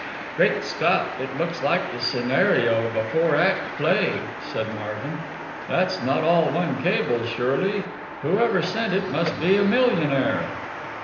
"Great Scott! it looks like the scenario of a four act play," said Marvin. "That's not all one cable, surely? Whoever sent it must be a millionaire."